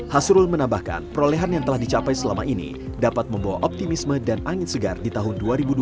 hasrul menambahkan perolehan yang telah dicapai selama ini dapat membawa optimisme dan angin segar di tahun dua ribu dua puluh